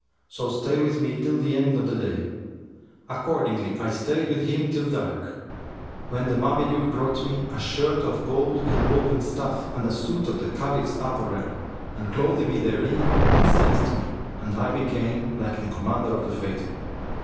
So stay with me till the end of the day.' Accordingly I stayed with him till dark, when the Mameluke brought me a shirt of gold inwoven stuff and a suit of the Caliph's apparel and clothing me therein, incensed me[FN#358] and I became like the Commander of the Faithful.